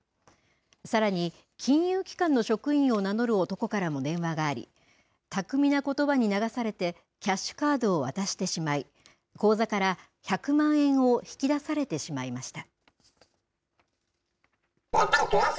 さらに金融機関の職員を名乗る男からも電話があり巧みなことばに流されてキャッシュカードを渡してしまい口座から１００万円を引き出されてしまいました。